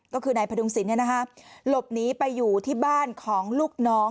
ก็คือนายพดุงศิลป์หลบหนีไปอยู่ที่บ้านของลูกน้อง